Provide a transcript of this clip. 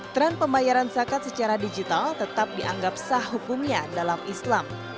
tren pembayaran zakat secara digital tetap dianggap sah hukumnya dalam islam